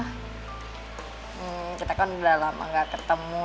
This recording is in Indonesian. hmm kita kan udah lama gak ketemu